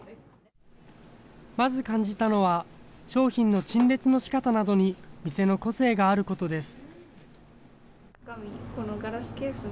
まず感じたのは、商品の陳列のしかたなどに店の個性があることです。